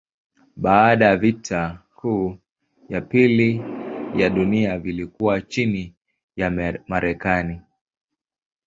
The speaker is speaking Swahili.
Baada ya vita kuu ya pili ya dunia vilikuwa chini ya Marekani.